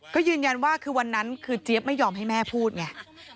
ก็ยืนยันว่าคือวันนั้นคือเจี๊ยบไม่ยอมให้แม่พูดไง